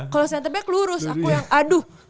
kalau center back lurus aku yang aduh